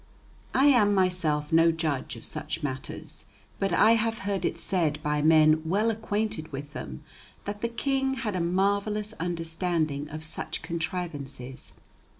I am myself no judge of such matters, but I have heard it said by men well acquainted with them, that the King had a marvellous understanding of such contrivances.